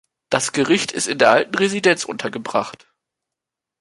Das Gericht ist in der Alten Residenz untergebracht.